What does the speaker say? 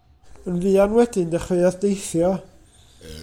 Yn fuan wedyn, dechreuodd deithio.